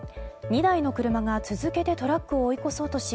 ２台の車が続けてトラックを追い越そうとし